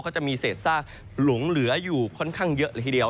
เขาจะมีเศษซากหลงเหลืออยู่ค่อนข้างเยอะเลยทีเดียว